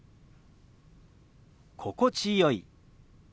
「心地よい」。